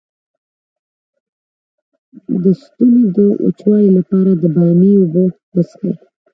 د ستوني د وچوالي لپاره د بامیې اوبه وڅښئ